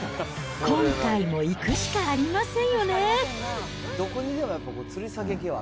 今回も行くしかありませんよね。